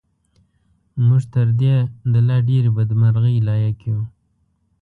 موږ تر دې د لا ډېرې بدمرغۍ لایق یو.